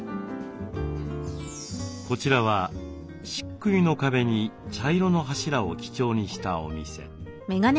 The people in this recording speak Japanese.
こちらはしっくいの壁に茶色の柱を基調にしたお店。